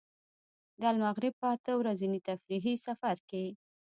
د المغرب په اته ورځني تفریحي سفر کې.